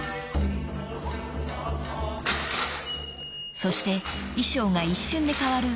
［そして衣装が一瞬で変わるぶっ返り］